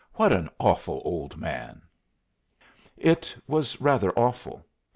"What an awful old man!" It was rather awful.